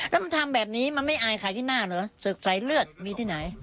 ถ้าทำแบบนี้มันไม่อายใจที่หน้าหรือแซรใสเลือดมีที่ไหน